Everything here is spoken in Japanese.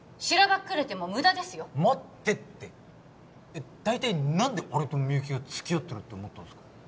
しらばっくれても無駄ですよ待ってって大体何で俺とみゆきが付き合ってるって思ったんすか？